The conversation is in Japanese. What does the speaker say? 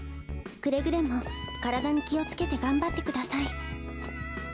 くれぐれも体に気をつけて頑張ってください。